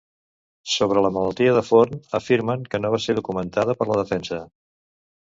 Sobre la malaltia de Forn, afirmen que no va ser "documentada per la defensa".